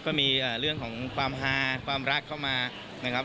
ก็มีเรื่องของความฮาความรักเข้ามานะครับ